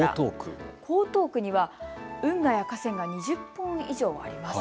江東区には運河や河川が２０本以上あります。